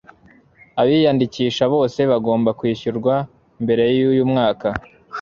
abiyandikisha bose bagomba kwishyurwa mbere yuyu mwaka